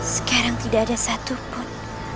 sekarang tidak ada satu pun